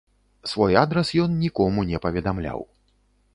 Свой адрас ён нікому не паведамляў.